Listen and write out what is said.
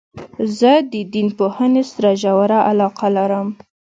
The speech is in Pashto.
زه د دین پوهني سره ژوره علاقه لرم.